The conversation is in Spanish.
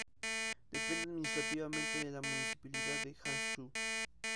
Depende administrativamente de la municipalidad de Hangzhou.